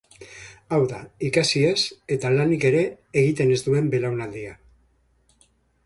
Hau da, ikasi ez, eta lanik ere egiten ez duen belaunaldia.